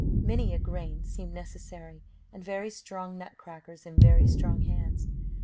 Many a grain seemed necessary, and very strong nut crackers in very strong hands.